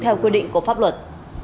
theo quy định của pháp luật